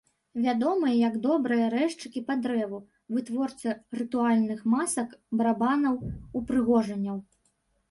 Вядомыя як добрыя рэзчыкі па дрэву, вытворцы рытуальных масак, барабанаў, упрыгожанняў.